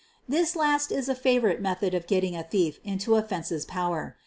This last is a favorite method of getting a thief into a "fence's" power.